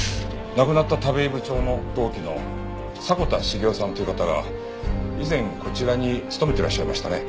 亡くなった田部井部長の同期の迫田茂夫さんという方が以前こちらに勤めてらっしゃいましたね。